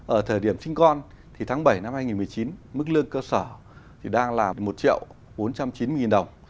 ở thời điểm sinh con tháng bảy năm hai nghìn một mươi chín mức lương cơ sở đang là một bốn trăm chín mươi đồng